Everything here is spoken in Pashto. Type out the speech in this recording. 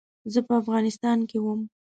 زه په افغانستان کې وم.